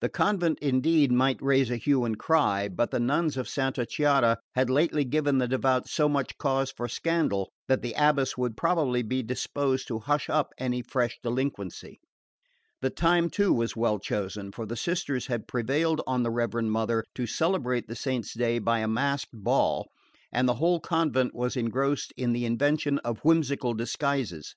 The convent indeed might raise a hue and cry; but the nuns of Santa Chiara had lately given the devout so much cause for scandal that the abbess would probably be disposed to hush up any fresh delinquency. The time too was well chosen; for the sisters had prevailed on the Reverend Mother to celebrate the saint's day by a masked ball, and the whole convent was engrossed in the invention of whimsical disguises.